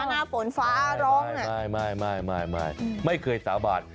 หน้าฝนฟ้าร้องเนี่ยไม่เกิดสาบาน